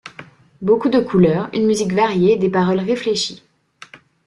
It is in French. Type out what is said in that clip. Beaucoup de couleurs, une musique variée et des paroles réfléchies.